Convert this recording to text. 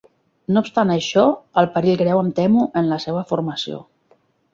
No obstant això, el perill greu em temo en la seva formació.